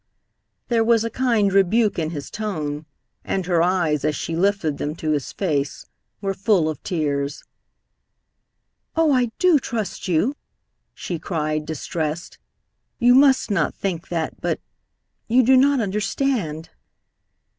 There was a kind rebuke in his tone, and her eyes, as she lifted them to his face, were full of tears. "Oh, I do trust you!" she cried, distressed "You must not think that, but you do not understand."